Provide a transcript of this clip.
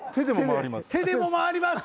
手でも回ります。